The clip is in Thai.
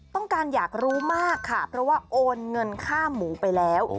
ต้องการอยากรู้มากค่ะเพราะว่าโอนเงินค่าหมูไปแล้ว